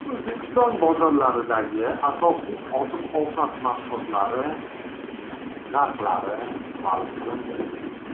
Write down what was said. O‘zbekiston bozorlaridagi asosiy oziq-ovqat mahsulotlari narxlari ma’lum qilindi